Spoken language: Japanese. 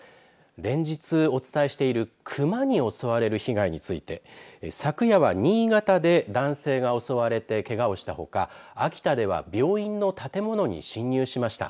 連日お伝えしている熊に襲われる被害について昨夜は新潟で男性が襲われてけがをしたほか秋田では病院の建物に侵入しました。